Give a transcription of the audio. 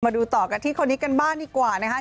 มาดูต่อกันที่คนนี้กันบ้างดีกว่านะคะ